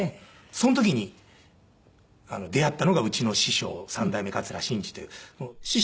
その時に出会ったのがうちの師匠三代目桂伸治という。